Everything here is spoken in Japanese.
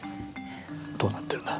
どうなってるんだ